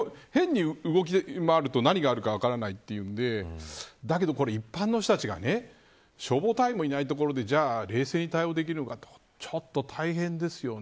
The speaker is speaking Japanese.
変に動き回ると何があるか分からないというのでだけどこれ、一般の人たちが消防隊員もいないところで冷静に対応できるのかってちょっと大変ですよね。